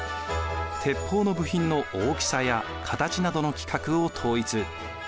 鉄砲の部品の大きさや形などの規格を統一。